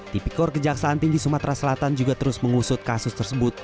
tipikor kejaksaan tinggi sumatera selatan juga terus mengusut kasus tersebut